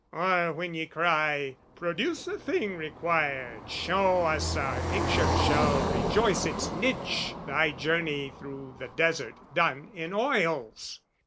Or when ye cry "Produce the thing required, "Show us our picture shall rejoice its niche, "Thy Journey through the Desert done in oils!"